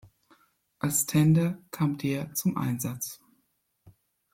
Als Tender kam der zum Einsatz.